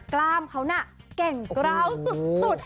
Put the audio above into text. กล้ามเขาน่ะแก่งกล้าวสุด